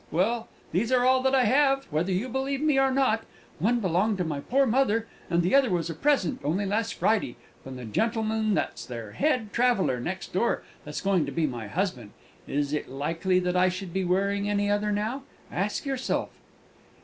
Well, these are all that I have, whether you believe me or not; one belonged to my poor mother, and the other was a present, only last Friday, from the gentleman that's their head traveller, next door, and is going to be my husband. Is it likely that I should be wearing any other now? ask yourself!"